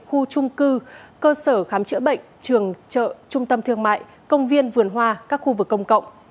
khu trung cư cơ sở khám chữa bệnh trường chợ trung tâm thương mại công viên vườn hoa các khu vực công cộng